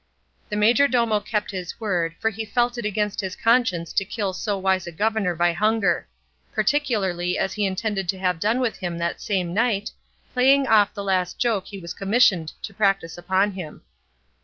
The majordomo kept his word, for he felt it against his conscience to kill so wise a governor by hunger; particularly as he intended to have done with him that same night, playing off the last joke he was commissioned to practise upon him.